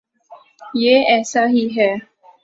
یہ ایسا ہی ہے۔